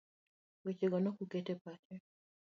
Weche go ne ok oketo e pache